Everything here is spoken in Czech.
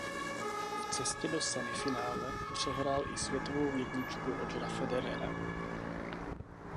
V cestě do semifinále přehrál i světovou jedničku Rogera Federera.